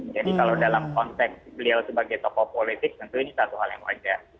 jadi kalau dalam konteks beliau sebagai tokoh politik tentu ini satu hal yang wajar